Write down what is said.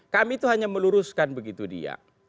kami itu hanya meluruskan begitu dia